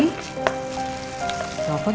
mawapun juga kakak pernah